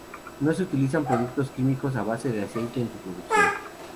No se utilizan productos químicos a base de aceite en su producción.